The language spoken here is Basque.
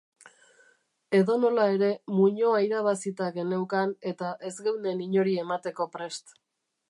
Edonola ere, muinoa irabazita geneukan eta ez geunden inori emateko prest.